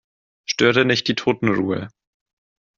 Störe nicht die Totenruhe.